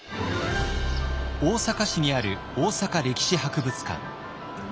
大阪市にある大阪歴史博物館。